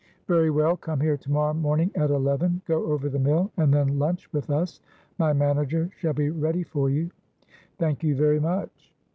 "Very well. Come here to morrow morning at eleven, go over the mill, and then lunch with us. My manager shall be ready for you." "Thank you, very much."